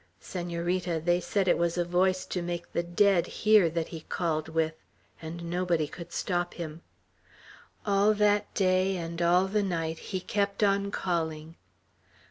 Senorita, they said it was a voice to make the dead hear, that he called with; and nobody could stop him. All that day and all the night he kept on calling.